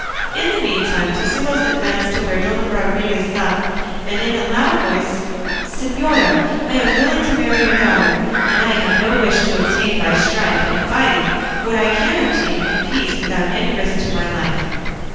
In the meantime Tosilos advanced to where Dona Rodriguez sat and said in a loud voice, "Señora, I am willing to marry your daughter, and I have no wish to obtain by strife and fighting what I can obtain in peace and without any risk to my life."